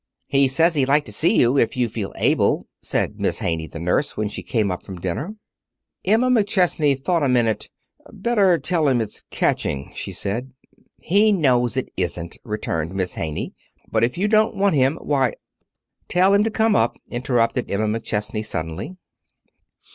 "He says he'd like to see you, if you feel able," said Miss Haney, the nurse, when she came up from dinner. Emma McChesney thought a minute. "Better tell him it's catching," she said. "He knows it isn't," returned Miss Haney. "But if you don't want him, why " "Tell him to come up," interrupted Emma McChesney, suddenly.